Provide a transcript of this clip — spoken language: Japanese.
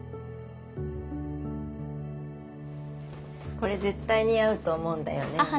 これ絶対似合うと思うんだよね。